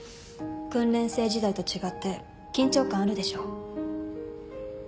訓練生時代と違って緊張感あるでしょ。